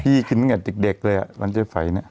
ปีกินกับเด็กเลยวันนะเจฟัยน์